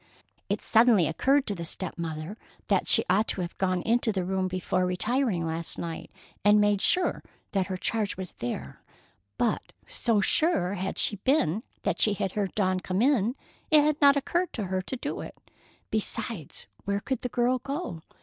It suddenly occurred to the step mother that she ought to have gone into the room before retiring last night and made sure that her charge was there; but so sure had she been that she had heard Dawn come in, it had not occurred to her to do it. Besides, where could the girl go?